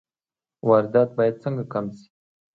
واردات باید څنګه کم شي؟